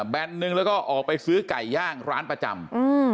แนนนึงแล้วก็ออกไปซื้อไก่ย่างร้านประจำอืม